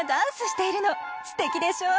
すてきでしょ？